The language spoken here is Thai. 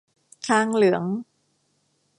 คางเหลือง